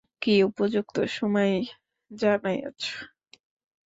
কি উপযুক্ত সময়েই জানাইয়াছ।